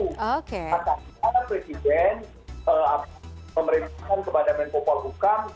maksudnya presiden pemerintahan kepadamian popol hukum